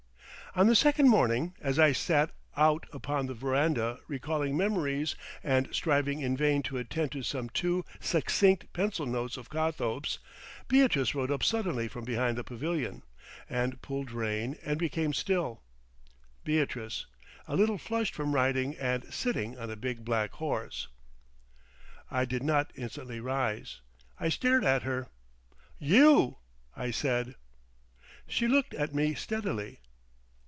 On the second morning, as I sat out upon the veranda recalling memories and striving in vain to attend to some too succinct pencil notes of Cothope's, Beatrice rode up suddenly from behind the pavilion, and pulled rein and became still; Beatrice, a little flushed from riding and sitting on a big black horse. I did not instantly rise. I stared at her. "You!" I said. She looked at me steadily.